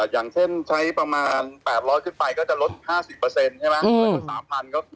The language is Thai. อย่างเช่นใช้ประมาณ๘๐๐ขึ้นไปก็จะลด๕๐ใช่ไหม